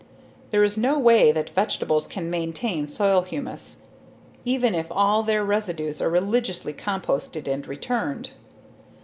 There is no way that vegetables can maintain soil humus, even if all their residues are religiously composted and returned.